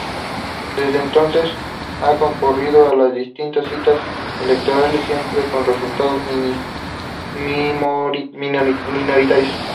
Desde entonces ha concurrido a las distintas citas electorales, siempre con resultados minoritarios.